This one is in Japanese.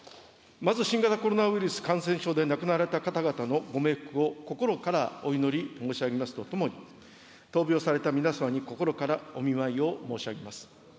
まず新型コロナウイルス感染症で亡くなられた方々のご冥福を心からお祈り申し上げますとともに、闘病された皆様に心からお見舞いを申し上げます。